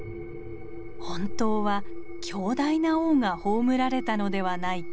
本当は強大な王が葬られたのではないか。